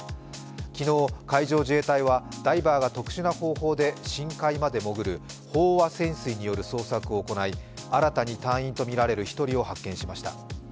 昨日、海上自衛隊はダイバーが特殊な方法で深海まで潜る飽和潜水による捜索を行い、新たに隊員とみられる１人を発見しました。